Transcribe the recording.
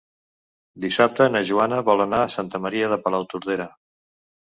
Dissabte na Joana vol anar a Santa Maria de Palautordera.